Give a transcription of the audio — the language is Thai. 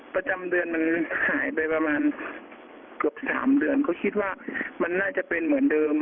ประจำเดือนมันหายไปประมาณเกือบ๓เดือนก็คิดว่ามันน่าจะเป็นเหมือนเดิม